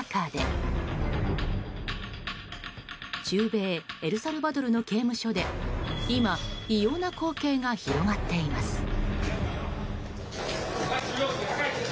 中米エルサルバドルの刑務所で今、異様な光景が広がっています。